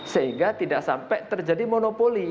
sehingga tidak sampai terjadi monopoli